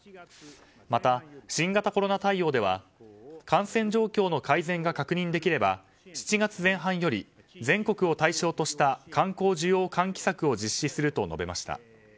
また、新型コロナ対応では感染状況の改善が確認できれば７月前半より全国を対象とした観光需要喚起策を実施すると述べました。